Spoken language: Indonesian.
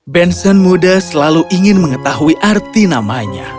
benson muda selalu ingin mengetahui arti namanya